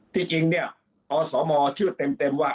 ที่จริงเนี่ยอสมชื่อเต็มว่า